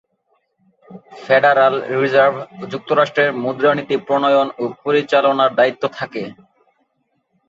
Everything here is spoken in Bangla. ফেডারাল রিজার্ভ যুক্তরাষ্ট্রের মুদ্রানীতি প্রণয়ন ও পরিচালনার দায়িত্বে থাকে।